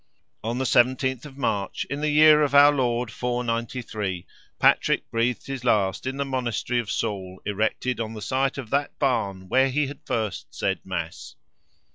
On the 17th of March, in the year of our Lord 493, Patrick breathed his last in the monastery of Saul, erected on the site of that barn where he had first said Mass.